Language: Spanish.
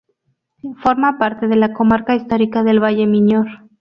Forma parte de la comarca histórica del Valle Miñor.